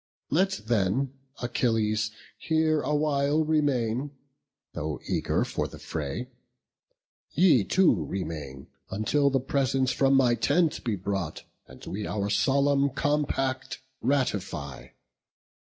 Let then Achilles here awhile remain, Though eager for the fray; ye too remain, Until the presents from my tent be brought, And we our solemn compact ratify.